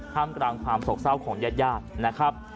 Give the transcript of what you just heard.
ห้ามกลางความสกเศร้าของญาติย่าน